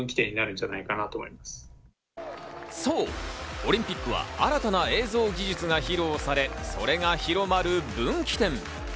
そう、オリンピックは新たな映像技術が披露され、それが広まる分岐点。